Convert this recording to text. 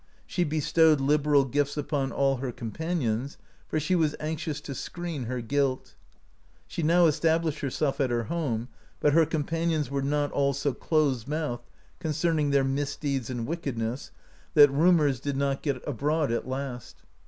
She bestowed liberal gifts upon all of her companions, for she was anxious to screen her guilt. She now established herself at her home; but her companions were not all so close mouthed, concern ing their misdeeds and wickedness, that rumours did not 99 AMERICA DISCOVERED BY NORSEMEN get abroad at last.